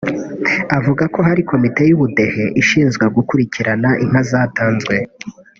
Avuga ko hari komite y’ubudehe ishinzwe gukurikirana inka zatanzwe